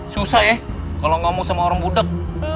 susah ya kalau ngomong sama orang budeg